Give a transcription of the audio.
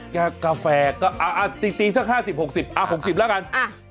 กาแฟก็ตีสัก๕๐๖๐แล้วกัน